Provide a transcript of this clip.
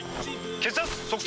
血圧測定！